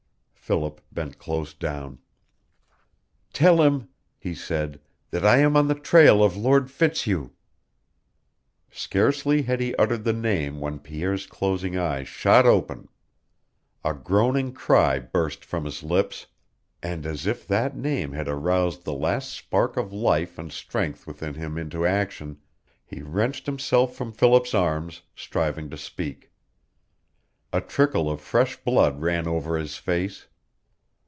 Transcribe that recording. Philip bent close down. "Tell him," he said, "that I am on the trail of Lord Fitzhugh!" Scarcely had he uttered the name when Pierre's closing eyes shot open. A groaning cry burst from his lips, and, as if that name had aroused the last spark of life and strength within him into action, he wrenched himself from Philip's arms, striving to speak. A trickle of fresh blood ran over his face.